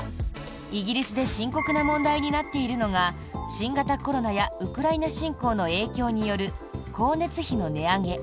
イギリスで深刻な問題になっているのが新型コロナやウクライナ侵攻の影響による光熱費の値上げ。